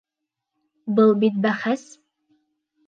Был бит бәхәс!